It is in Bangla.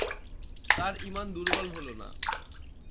তার ইমান দুর্বল হল না।